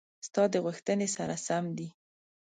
ستا د غوښتنې سره سم دي: